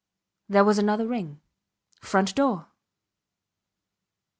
There was another ring. Front door!